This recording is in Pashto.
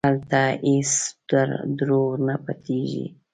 هلته هېڅ دروغ نه پټېږي.